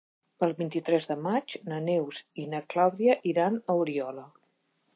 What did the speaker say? El vint-i-tres de maig na Neus i na Clàudia iran a Oriola.